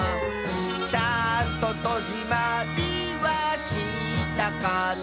「ちゃんととじまりはしたかな」